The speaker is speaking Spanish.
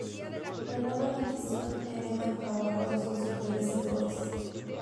La nueva división hereda el trabajo de sus predecesores.